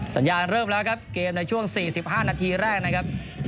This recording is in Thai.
สัญญาณเริ่มแล้วครับเกมในช่วง๔๕นาทีแรกนะครับ